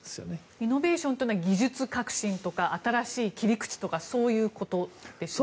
イノベーションというのは技術革新というか新しい切り口とかそういうことでしょうか？